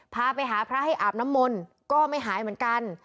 พาไปหาพระให้อาบน้ำมนต์ก็ไม่หายเหมือนกัน